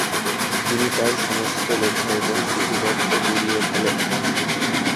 তিনি তার সমস্ত লেখা এবং চিঠিপত্র পুড়িয়ে ফেলেন।